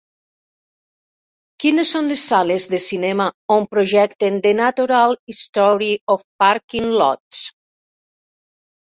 Quines són les sales de cinema on projecten "The Natural History of Parking Lots"